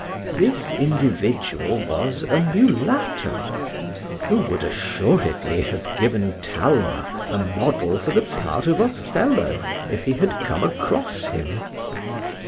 This individual was a mulatto, who would assuredly have given Talma a model for the part of Othello, if he had come across him.